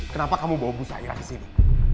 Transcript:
kenapa kamu bawa bu sayang disini